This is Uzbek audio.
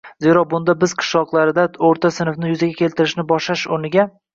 Zero, bunda biz qishloqlarimizda o‘rta sinfni yuzaga keltirishni boshlash o‘rniga